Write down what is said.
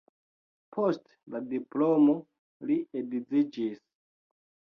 Post la diplomo li edziĝis.